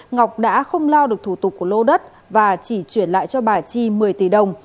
ngọc đã không lo được thủ tục của lô đất và chỉ chuyển lại cho bà chi một mươi tỷ đồng